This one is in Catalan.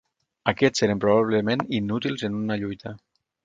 Aquests eren probablement inútils en una lluita.